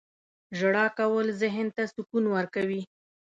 • ژړا کول ذهن ته سکون ورکوي.